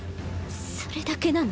それだけなの。